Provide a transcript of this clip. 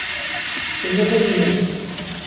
Cajazeirinhas